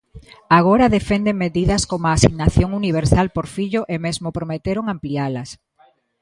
Agora defenden medidas coma a Asignación Universal por Fillo e mesmo prometeron amplialas.